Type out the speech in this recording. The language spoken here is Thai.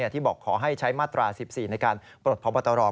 ที่บอกขอให้ใช้มาตรา๑๔ในการปลดพบตร